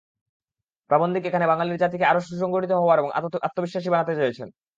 প্রাবন্ধিক এখানে বাঙলির জাতিকে আরও সুসংগঠিত হওয়ার এবং আত্মবিশ্বাসী বানাতে চেয়েছেন।